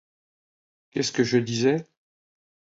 Qu'est-ce que je disais?